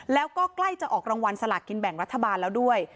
แล้วก็ใกล้จะออกรางวัลสลากกินแบ่งรัฐบาลแล้วด้วย